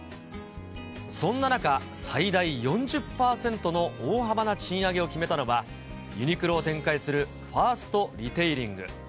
そんな中、最大４０％の大幅な賃上げを決めたのは、ユニクロを展開するファーストリテイリング。